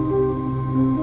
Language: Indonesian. tidak ada yang tahu